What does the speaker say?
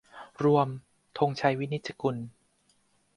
รวม ธงชัย วินิจจะกูล